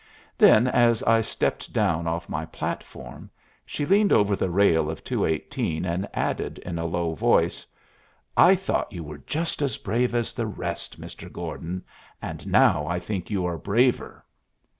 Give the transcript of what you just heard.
Then, as I stepped down off my platform, she leaned over the rail of 218, and added, in a low voice, "I thought you were just as brave as the rest, Mr. Gordon, and now I think you are braver."